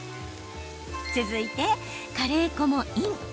続いてカレー粉もイン。